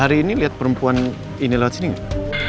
hari ini lihat perempuan ini lewat sini nggak